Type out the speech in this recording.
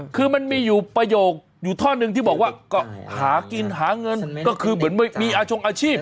คือมันมีอยู่ประโยคอยู่ท่อนึงที่บอกว่าก็หากินหาเงินก็คือเหมือนไม่มีอาชงอาชีพ